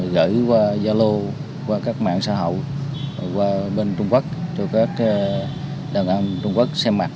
gửi qua gia lô qua các mạng xã hội qua bên trung quốc cho các đàn em trung quốc xem mặt